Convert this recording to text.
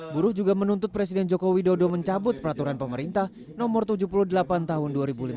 buruh juga menuntut presiden joko widodo mencabut peraturan pemerintah no tujuh puluh delapan tahun dua ribu lima belas